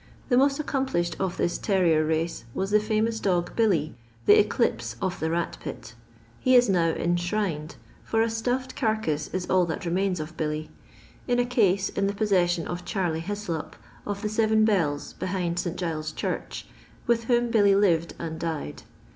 The most accomplished of this terrier race was the fiunona dog Billy, the eclipse of the rat pit. He is now enshrined — ^fiir a stuflfed carcase is all that remains of Billy — in a case in the possession of Charley Hodop of the Seven Bells behind St. Giles's Church, with whom Billy lived and died.